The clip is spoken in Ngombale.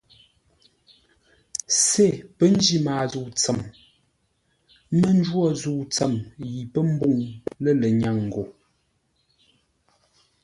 Sê pə́ njí maa zə̂u tsəm, mə́ njwó zə̂u tsəm yi pə́ mbûŋ lə lənyâŋ gho.